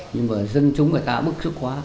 nhưng mà dân chúng người ta bức xúc quá